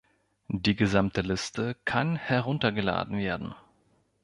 Die gesamte Liste kann heruntergeladen werden.